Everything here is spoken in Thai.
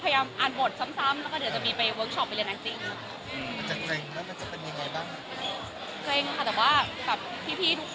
เพราะว่าไม่เคยมีใครเห็นเฟิร์นในรูปแบบว่าละครทีเรียนมาแล้ว